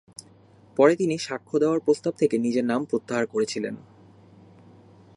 পরে তিনি সাক্ষ্য দেওয়ার প্রস্তাব থেকে নিজের নাম প্রত্যাহার করেছিলেন।